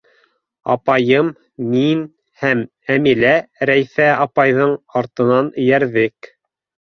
Апайым, мин һәм Әмилә Рәйфә апайҙың артынан эйәрҙек.